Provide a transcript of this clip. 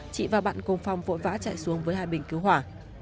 chị và bạn cùng phong vội vã chạy xuống với hai bình cứu hỏa